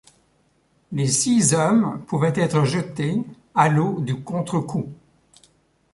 Les six hommes pouvaient être jetés à l’eau du contre-coup.